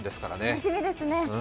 楽しみですね。